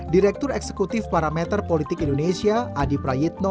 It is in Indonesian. direktur eksekutif parameter politik indonesia adi prayitno